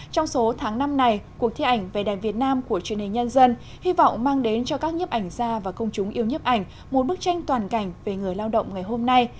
trong số tháng năm này cuộc thi ảnh về đẹp việt nam của truyền hình nhân dân hy vọng mang đến cho các nhếp ảnh gia và công chúng yêu nhấp ảnh một bức tranh toàn cảnh về người lao động ngày hôm nay